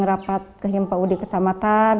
rapat ke paud kecamatan